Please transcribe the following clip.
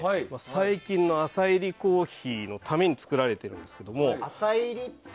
最近の浅いりコーヒーのために作られているんですけど。